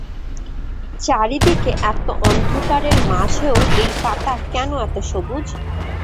চারিদিকে এত অন্ধকারের মাঝেও এই পাতা কেন এত সবুজ?